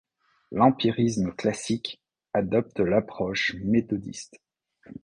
L'empirisme classique adopte l'approche méthodiste.